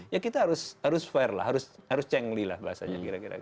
ya kita harus fair lah harus cengli lah bahasanya kira kira